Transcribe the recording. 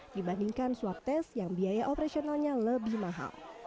dibandingkan swab test yang biaya operasionalnya lebih mahal